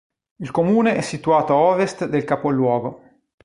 Il comune è situato a ovest del capoluogo.